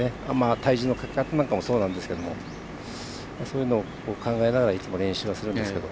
体重のかけ方なんかもそうなんですけどそういうのを考えながらいつも練習はするんですけど。